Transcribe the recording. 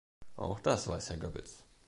Auch das weiß Herr Goebbels.